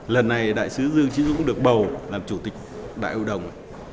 lần này đại sứ dương trí dũng được bầu làm chủ tịch đại hội đồng